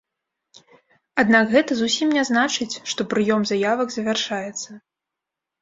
Аднак гэта зусім не значыць, што прыём заявак завяршаецца.